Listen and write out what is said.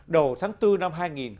đầu tháng bốn năm hai nghìn một mươi